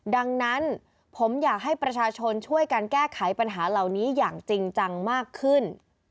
ดังนั้นผมอยากให้ประชาชนช่วยกันแก้ไขปัญหาเหล่านี้อย่างจริงจังมากขึ้น